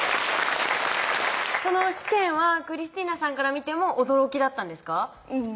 その試験はクリスティナさんから見ても驚きだったんですか？